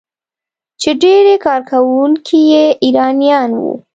چې ډیری کارکونکي یې ایرانیان وو.